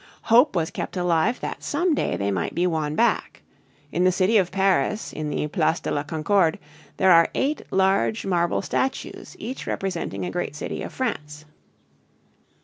Hope was kept alive that some day they might be won back. In the city of Paris, in the Place de la Concorde, there are eight large marble statues each representing a great city of France.